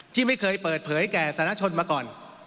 ที่ไม่เคยเปิดเผยแก่สนชนมาก่อน